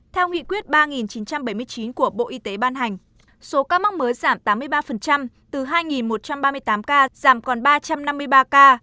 theo nghị quyết ba chín trăm bảy mươi chín của bộ y tế ban hành số ca mắc mới giảm tám mươi ba từ hai một trăm ba mươi tám ca giảm còn ba trăm năm mươi ba ca